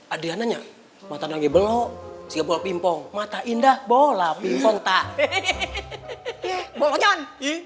adiknya matanya belok siapol pingpong mata indah bola pingpong tak bolon